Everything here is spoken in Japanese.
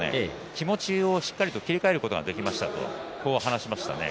気持ちをしっかりと切り替えることができましたと話しました。